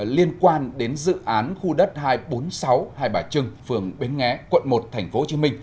liên quan đến dự án khu đất hai trăm bốn mươi sáu hai bà trưng phường bến nghé quận một tp hcm